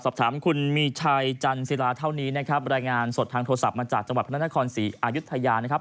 สอบถามคุณมีชัยจันศิลาเท่านี้นะครับรายงานสดทางโทรศัพท์มาจากจังหวัดพระนครศรีอายุทยานะครับ